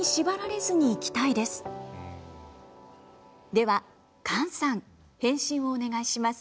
では菅さん返信をお願いします。